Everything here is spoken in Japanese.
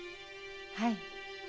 はい。